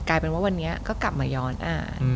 กลายเป็นว่าวันนี้ก็กลับมาย้อนอ่าน